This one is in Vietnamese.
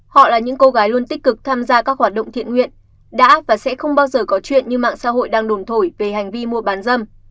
họ là những cô gái luôn tích cực tham gia các hoạt động thiện nguyện đã và sẽ không bao giờ có chuyện như mạng xã hội đang đồn thổi về hành vi mua bán dâm